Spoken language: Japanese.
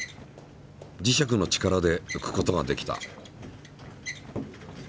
磁石の力でうくことができた。